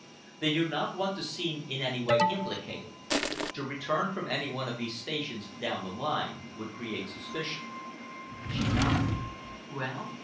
They do not want to seem in any way implicated. To return from any one of these stations down the line would create suspicion." She nodded. "Well?"